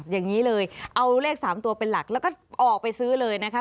อย่างนี้เลยเอาเลข๓ตัวเป็นหลักแล้วก็ออกไปซื้อเลยนะคะ